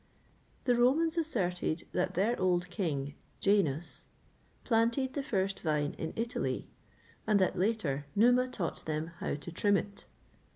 [XXVIII 20] The Romans asserted that their old king, Janus, planted the first vine in Italy,[XXVIII 21] and that, later, Numa taught them how to trim it.